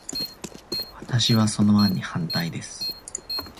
私は、その案に反対です。